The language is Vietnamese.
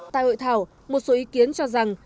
tại hội thảo một số ý kiến cho rằng